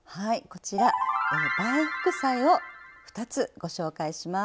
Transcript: こちら「“映え”副菜」を２つご紹介します。